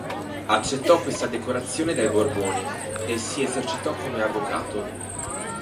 Accettò questa decorazione dai Borboni e si esercitò come avvocato.